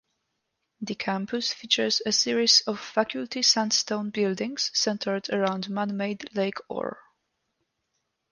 The campus features a series of Faculty sandstone buildings centered around man-made Lake Orr.